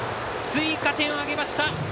追加点を挙げました。